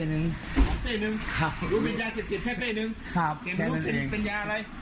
ของเป้นึงรู้เป็นยาเสพติดแค่เป้นึงแต่รู้เป็นยาอะไร